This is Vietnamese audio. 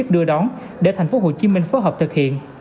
đưa đón để thành phố hồ chí minh phối hợp thực hiện